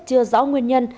chưa rõ nguyên nhân